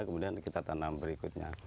kemudian kita tanam berikutnya